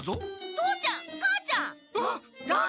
父ちゃん母ちゃん！